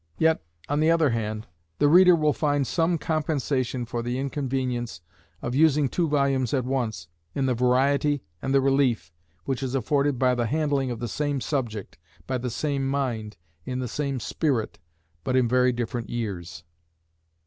Yet, on the other hand, the reader will find some compensation for the inconvenience of using two volumes at once, in the variety and the relief which is afforded by the handling of the same subject, by the same mind, in the same spirit, but in very different years.